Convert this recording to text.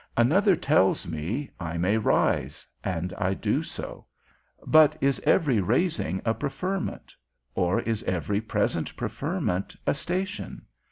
Another tells me, I may rise; and I do so. But is every raising a preferment? or is every present preferment a station?